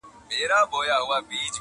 دا کيسه تل پوښتنه پرېږدي,